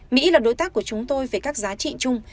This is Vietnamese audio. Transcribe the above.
mỹ là đối tác của chúng tôi về các giá trị chung